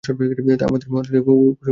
আমাদের মহারাজকে হুকুম করিতে আসিয়াছ!